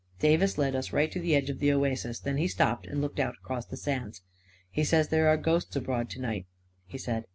Davis led us right to the edge of the oasis. Then he stopped and looked out across the sands. 11 He says there are ghosts abroad to night," he said.